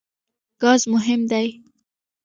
ګاز مهم دی.